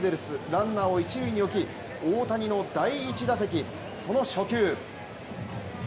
ランナーを一塁に置き大谷の第１打席、その初球。